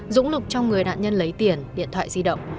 dũng lục cho người nạn nhân lấy tiền điện thoại di động